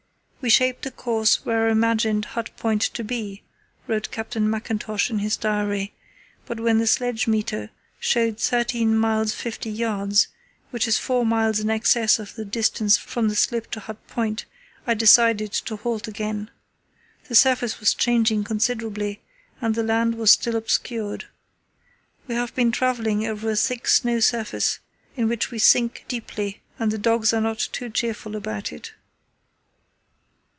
"We shaped a course where I imagined Hut Point to be," wrote Captain Mackintosh in his diary, "but when the sledge meter showed thirteen miles fifty yards, which is four miles in excess of the distance from the slip to Hut Point, I decided to halt again. The surface was changing considerably and the land was still obscured. We have been travelling over a thick snow surface, in which we sink deeply, and the dogs are not too cheerful about it."